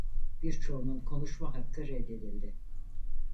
Birçoğunun konuşma hakkı reddedildi.